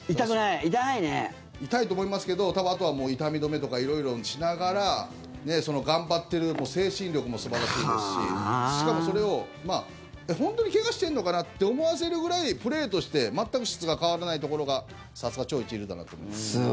痛いと思いますけど多分あとは痛み止めとか色々しながら頑張ってるその精神力も素晴らしいですししかも、それを本当に怪我してんのかなって思わせるぐらいプレーとして全く質が変わらないところがさすが超一流だなと思います。